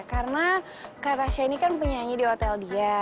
karena kata shania kan penyanyi di hotel dia